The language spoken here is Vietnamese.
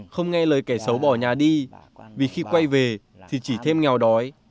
không nghe lời kẻ xấu bỏ nhà đi vì khi quay về thì chỉ thêm nghèo đói